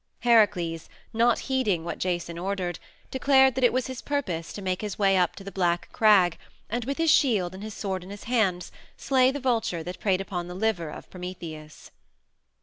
Heracles, not heeding what Jason ordered, declared that it was his purpose to make his way up to the black crag, and, with his shield and his sword in his hands, slay the vulture that preyed upon the liver of Prometheus.